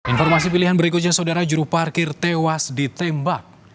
informasi pilihan berikutnya saudara juru parkir tewas ditembak